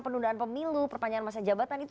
penundaan pemilu perpanjangan masa jabatan itu